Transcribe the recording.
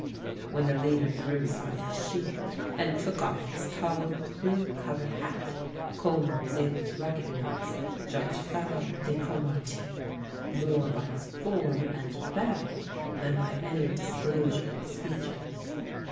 When the leader threw aside his shield and took off his tall plume covered hat, Coleman was able to recognize Judge Favart de Caumartin, more by his form and bearing than by any disclosure of his features.